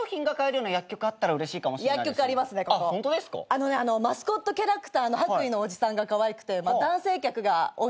あのねマスコットキャラクターの白衣のおじさんがかわいくて男性客が多いんですけど。